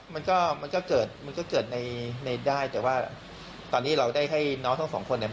มันก็มันก็เกิดมันก็เกิดในได้แต่ว่าตอนนี้เราได้ให้น้องทั้งสองคนเนี่ย